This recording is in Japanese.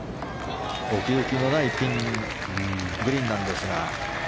奥行きのないグリーンなんですが。